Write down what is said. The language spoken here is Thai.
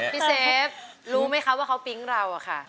เซฟรู้ไหมคะว่าเขาปิ๊งเราอะค่ะ